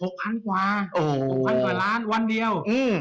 ๖๐๐๐กว่า๖๐๐๐กว่าล้านวันเดียว